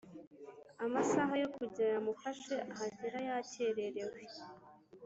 amasaha yo kujya yamufashe ahagera yakererewe